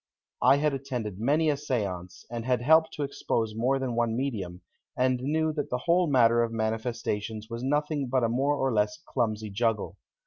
I had attended many a séance, and had helped to expose more than one medium, and knew that the whole matter of manifestations was nothing but a more or less clumsy juggle.